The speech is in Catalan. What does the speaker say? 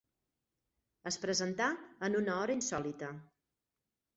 Es presentà en una hora insòlita.